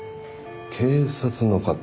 警察の方。